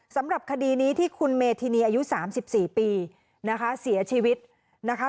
สำหรับคดีนี้ที่คุณเมธินีอายุ๓๔ปีนะคะเสียชีวิตนะคะ